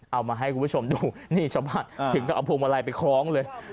เอามาให้คุณผู้ชมดูนี่ชาวบ้านถึงกับเอาพวงมาลัยไปคล้องเลย